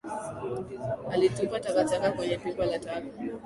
Alitupa takataka kwenye pipa la taka